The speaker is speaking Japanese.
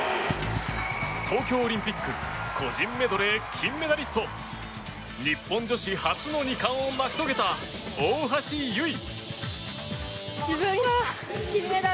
東京オリンピック個人メドレー金メダリスト日本女子初の２冠を成し遂げた大橋悠依。